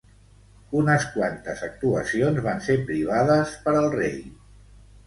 Unes quantes actuacions van ser privades per al rei.